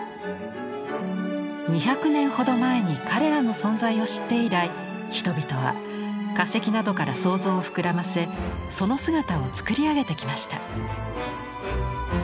２００年ほど前に彼らの存在を知って以来人々は化石などから想像を膨らませその姿を創り上げてきました。